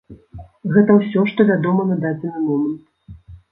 Гэта ўсё, што вядома на дадзены момант.